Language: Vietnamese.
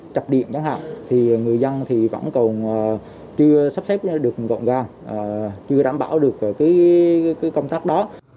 chập điện chẳng hạn thì người dân thì vẫn còn chưa sắp xếp được gọn gàng chưa đảm bảo được công tác đó